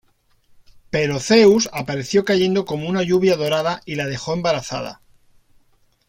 Pero Zeus apareció cayendo como una lluvia dorada y la dejó embarazada.